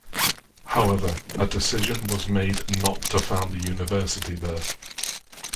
However, a decision was made not to found the university there.